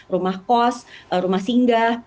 rumah kos rumah singgah